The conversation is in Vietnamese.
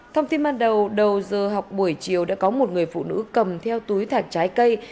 thông tin ban đầu đầu giờ học buổi chiều đã có một người phụ nữ cầm theo túi thạch trái cây